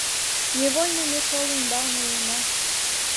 — Невольно ме шоло ӱмбалне улына...